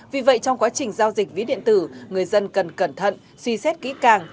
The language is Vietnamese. vì vậy trong quá trình giao dịch ví điện tử người dân cần cẩn thận suy xét kỹ càng